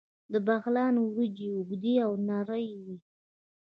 د بغلان وریجې اوږدې او نرۍ وي.